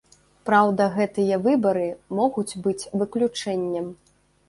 Праўда, гэтыя выбары могуць быць выключэннем.